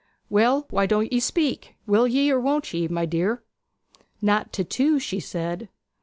Well, why don't ye speak? Will ye, or won't ye, my dear?' 'Not to two,' she said.